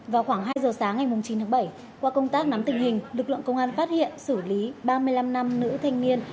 vào khoảng hai giờ sáng ngày chín tháng bảy qua công tác nắm tình hình lực lượng công an phát hiện xử lý ba mươi năm nam nữ thanh niên